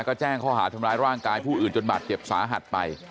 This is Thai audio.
ก็แจ้งข้อหาทำร้ายร่างกายผู้อื่นจนบาดเจ็บสาหัสไป